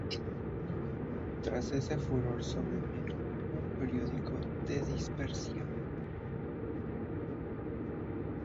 Tras ese furor sobrevino un período de dispersión.